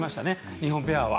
日本ペアは。